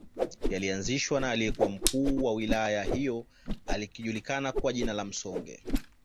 Yalianzishwa na aliyekuwa mkuu wa wilaya hiyo akijulikana kwa jina la Msonge